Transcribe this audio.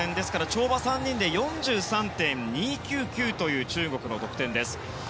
跳馬は３人で４３．２９９という中国の得点です。